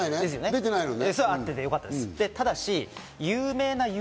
出てないね。